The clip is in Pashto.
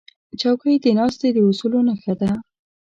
چوکۍ د ناستې د اصولو نښه ده.